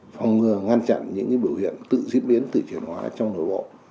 phòng ngừa ngăn chặn những cái biểu hiện tự diễn biến tự triển hóa trong nội bộ